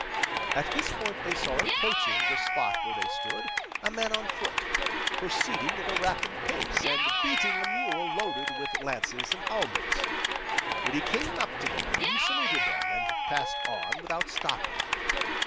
At this point they saw approaching the spot where they stood a man on foot, proceeding at a rapid pace, and beating a mule loaded with lances and halberds. When he came up to them, he saluted them and passed on without stopping.